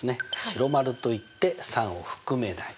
白丸といって３を含めない。